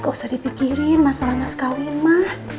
gak usah dipikirin masalah mas kawin mah